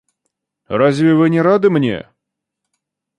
Разве вы не рады мне?